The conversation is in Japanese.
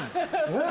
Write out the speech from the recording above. えっ？